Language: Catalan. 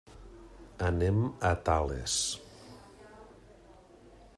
Anem a Tales.